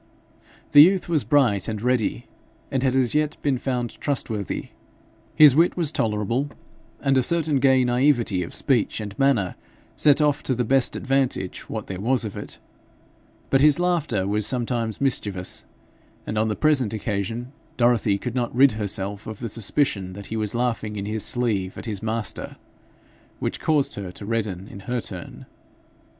The youth was bright and ready, and had as yet been found trustworthy; his wit was tolerable, and a certain gay naivete of speech and manner set off to the best advantage what there was of it; but his laughter was sometimes mischievous, and on the present occasion Dorothy could not rid herself of the suspicion that he was laughing in his sleeve at his master, which caused her to redden in her turn.